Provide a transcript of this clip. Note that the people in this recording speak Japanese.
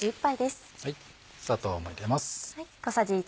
砂糖も入れます。